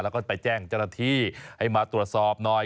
แล้วก็ไปแจ้งจรฐีให้มาตรวจสอบหน่อย